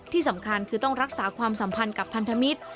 ที่สำคัญคือต้องรักษาความสัมพันธ์กับพันธมิตร